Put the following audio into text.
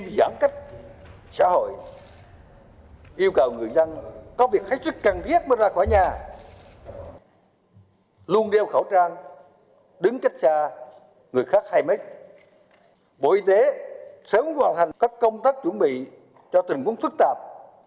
bộ y tế sớm hoàn thành các công tác chuẩn bị cho tình huống phức tạp